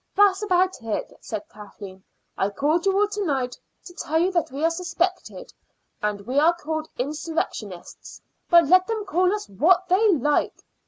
"That's about it," said Kathleen. "I called you all to night to tell you that we are suspected, and we are called insurrectionists; but let them call us what they like."